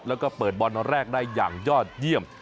แล้วก็เปิดบอลแรกได้อย่างยอดเยี่ยม